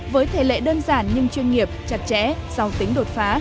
với thể lệ đơn giản nhưng chuyên nghiệp chặt chẽ giàu tính đột phá